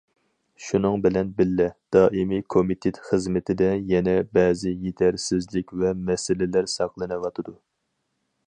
شۇنىڭ بىلەن بىللە، دائىمىي كومىتېت خىزمىتىدە يەنە بەزى يېتەرسىزلىك ۋە مەسىلىلەر ساقلىنىۋاتىدۇ.